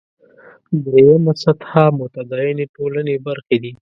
درېیمه سطح متدینې ټولنې برخې دي.